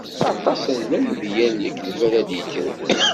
Aṭas n lenbiya n lekdeb ara d-ikkren.